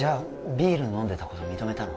ビール飲んでたこと認めたの？